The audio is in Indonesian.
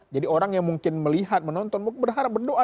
jadi orang yang mungkin melihat menonton berharap berdoa